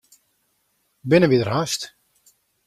Binne wy der hast?